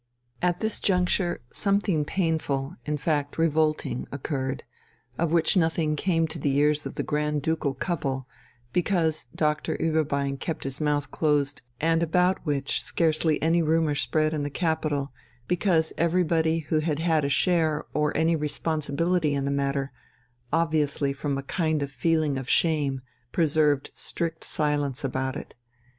At this juncture something painful, in fact revolting, occurred, of which nothing came to the ears of the Grand Ducal couple, because Doctor Ueberbein kept his mouth closed and about which scarcely any rumour spread in the capital because everybody who had had a share or any responsibility in the matter, obviously from a kind of feeling of shame, preserved strict silence about it.